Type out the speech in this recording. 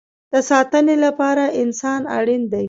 د ساتنې لپاره انسان اړین دی